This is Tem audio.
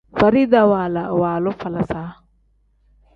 Farida waala iwaalu falaasa.